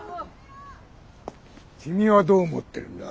君はどう思ってるんだ？